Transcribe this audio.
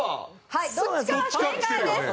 はいどっちかは正解です。